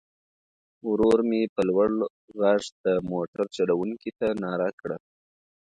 ورور مې په لوړ غږ د موټر چلوونکي ته ناره کړه.